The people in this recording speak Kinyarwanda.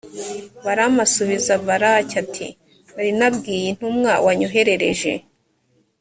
balamu asubiza balaki, ati nari nabwiye intumwa wanyoherereje.